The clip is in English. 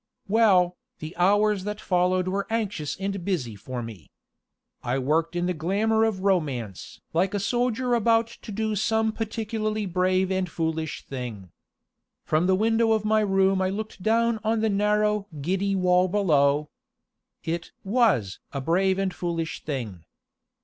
Well, the hours that followed were anxious and busy for me. I worked in the glamour of romance like a soldier about to do some particularly brave and foolish thing. From the window of my room I looked down on the narrow, giddy wall below. It was a brave and foolish thing.